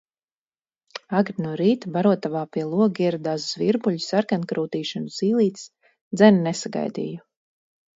Agri no rīta barotavā pie loga ieradās zvirbuļi, sarkankrūtīši un zīlītes, dzeni nesagaidīju.